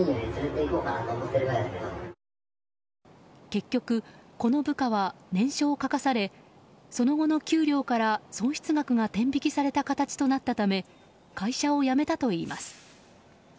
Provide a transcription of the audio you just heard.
結局、この部下は念書を書かされその後の給料から損失額が天引きされた形となったため会社を辞めたといいます。